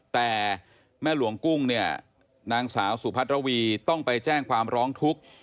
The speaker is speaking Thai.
แต่แม่หลวงกุ้งเนี่ยนางสาวสุพัทรวีต้องไปแจ้งความร้องทุกข์